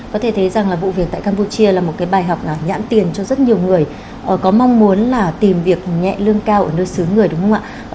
có thể thấy rằng là vụ việc tại campuchia là một cái bài học nhãn tiền cho rất nhiều người có mong muốn là tìm việc nhẹ lương cao ở nơi xứ người đúng không ạ